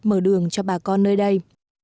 mở đường cho bà con nơi đây